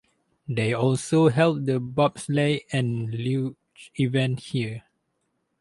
They also held the bobsleigh and luge events here.